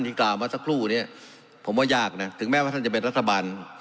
กล่าวมาสักครู่เนี่ยผมว่ายากนะถึงแม้ว่าท่านจะเป็นรัฐบาล